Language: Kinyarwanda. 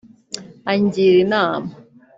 angira inama